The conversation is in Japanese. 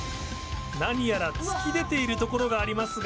何やら突き出ている所がありますが。